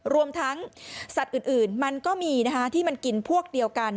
รวมทั้งสัตว์อื่นมันก็มีที่มันกินพวกเดียวกัน